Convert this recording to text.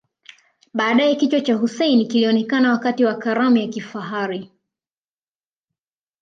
Baadae kichwa cha Hussein kilionekana wakati wa karamu ya kifahari